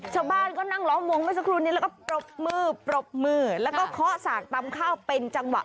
ชาวบ้านก็นั่งล้อมวงเมื่อสักครู่นี้แล้วก็ปรบมือปรบมือแล้วก็เคาะสากตำข้าวเป็นจังหวะ